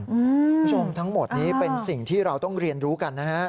คุณผู้ชมทั้งหมดนี้เป็นสิ่งที่เราต้องเรียนรู้กันนะฮะ